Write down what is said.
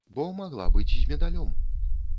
Бо магла быць з медалём.